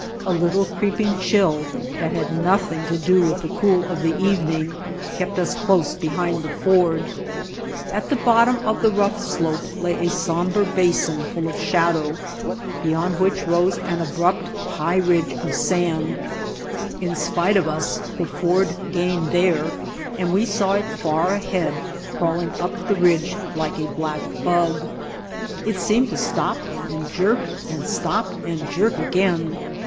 A little creeping chill that had nothing to do with the cool of evening kept us close behind the Ford. At the How We Found Mojave bottom of the rough slope lay a somber basin full of shadow, beyond which rose an abrupt, high ridge of sand. In spite of us the Ford gained there and we saw it far ahead crawling up the ridge like a black bug. It seemed to stop and jerk and stop and jerk again.